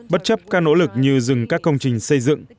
bất chấp các nỗ lực như dừng các công trình xây dựng